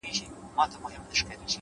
لوړ فکر نوې مفکورې زېږوي’